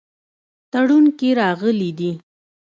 تړون کې راغلي دي.